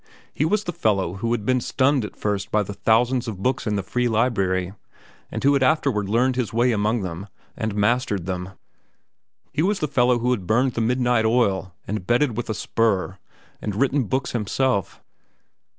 He was the fellow who had been stunned at first by the thousands of books in the free library, and who had afterward learned his way among them and mastered them; he was the fellow who had burned the midnight oil and bedded with a spur and written books himself.